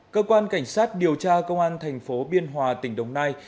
cơ quan cảnh sát điều tra công an thành phố biên hòa tỉnh đồng nai